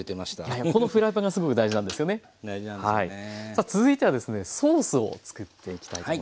さあ続いてはですねソースを作っていきたいと思います。